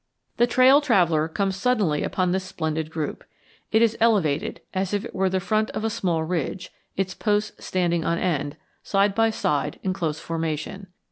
The trail traveller comes suddenly upon this splendid group. It is elevated, as if it were the front of a small ridge, its posts standing on end, side by side, in close formation.